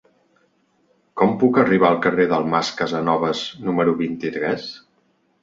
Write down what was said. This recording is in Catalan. Com puc arribar al carrer del Mas Casanovas número vint-i-tres?